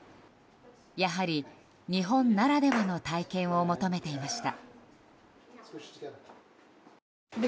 やはり、日本ならではの体験を求めていました。